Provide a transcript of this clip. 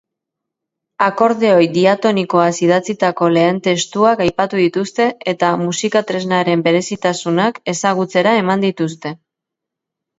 Akordeoi diatonikoaz idatzitako lehen testuak aipatu dituzte eta musika-tresnaren berezitasunak ezagutzera eman dituzte.